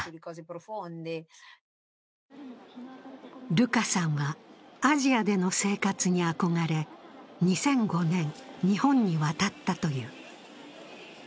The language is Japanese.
ルカさんはアジアでの生活に憧れ、２００５年、日本に渡ったという。